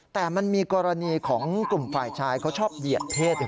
แต่มันมีกรณีของกลุ่มฝ่ายชายเขาชอบเหยียดเพศ